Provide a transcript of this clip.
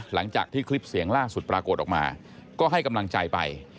หลังจากที่คลิปเสียงล่าสุดปรากฏออกมาก็ให้กำลังใจไป